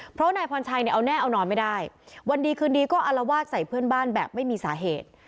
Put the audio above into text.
เพราะนายพรชัยเนี่ยเอาแน่เอานอนไม่ได้วันดีคืนดีก็อารวาสใส่เพื่อนบ้านแบบไม่มีสาเหตุ